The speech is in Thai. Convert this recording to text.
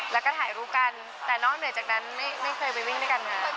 แล้วก็ถ่ายรูปกันแต่นอกเหนือจากนั้นไม่เคยไปวิ่งด้วยกันมา